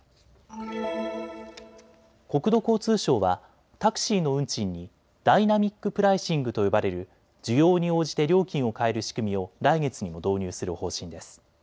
国土交通省はタクシーの運賃にダイナミックプライシングと呼ばれる需要に応じて料金を変える仕組みを来月にも導入する方針です。